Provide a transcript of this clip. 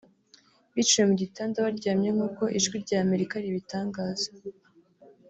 biciwe mu gitanda baryamye nk’uko Ijwi rya Amerika ribitangaza